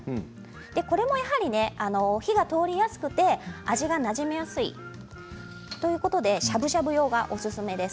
これもやはり火が通りやすくて味がなじみやすいということでしゃぶしゃぶ用がおすすめです。